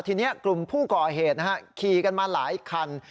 ทีนี้กลุ่มผู้ก่อเหตุขี่กันมาหลายคัน